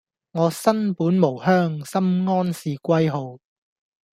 我身本無鄉，心安是歸號